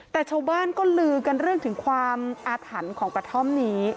แต่ชาวบ้านก็ลือกันเรื่องถึงความอาถรรพ์ของกระท่อมนี้